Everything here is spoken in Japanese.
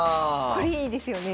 これいいですよね。